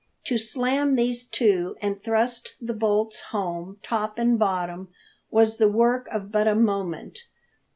To slam these to and thrust the bolts home, top and bottom, was the work of but a moment.